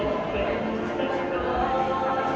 ขอบคุณทุกคนมากครับที่ทุกคนรัก